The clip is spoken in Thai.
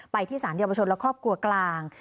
ไปที่สารเดียวประชุมและครอบครัวกลาง